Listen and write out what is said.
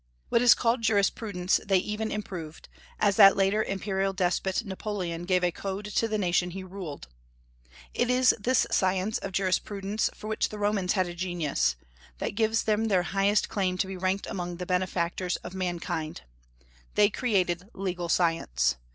What is called jurisprudence they even improved, as that later imperial despot Napoleon gave a code to the nation he ruled. It is this science of jurisprudence, for which the Romans had a genius, that gives them their highest claim to be ranked among the benefactors of mankind. They created legal science.